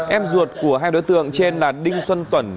em ruột của hai đối tượng trên là đinh xuân tuẩn